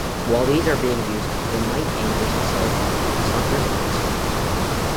While these are being used, the mite anchors itself with suckers on its feet.